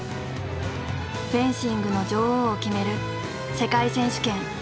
フェンシングの女王を決める世界選手権。